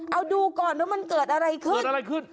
เอาดูก่อนว่ามันเกิดอะไรขึ้น